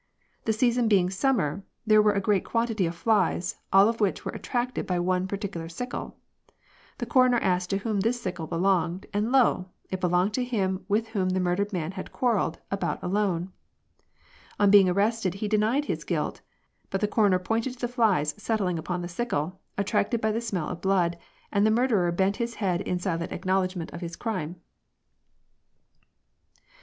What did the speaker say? The season being summer there were a great quantity of flies, all of which were attracted by one particular sickle. The coroner asked to whom this sickle belonged, and lo ! it belonged to him with whom the murdered man had quarrelled about a loan. On being arrested, he denied his guilt ; but the coroner pointed to the flies settling upon the sickle, attracted by the smell of blood, and the murderer bent his head in silent acknowledgment of his crime."